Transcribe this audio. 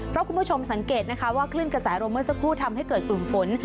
เพราะคุณผู้ชมสังเกตนะคะว่าคลื่นกระแสลมเมื่อสักครู่ทำให้เกิดกลุ่มฝน